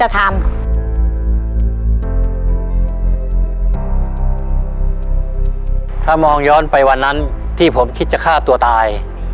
ถ้ามองย้อนไปวันนั้นที่ผมคิดจะฆ่าตัวตาย